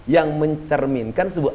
yang mencerminkan sebuah